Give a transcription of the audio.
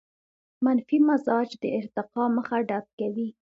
منفي مزاج د ارتقاء مخه ډب کوي.